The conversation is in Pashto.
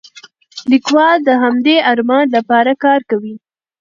لیکوال د همدې ارمان لپاره کار کوي.